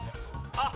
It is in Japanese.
あっ！